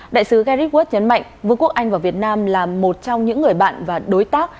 đại sứ gerid wood nhấn mạnh vương quốc anh và việt nam là một trong những người bạn và đối tác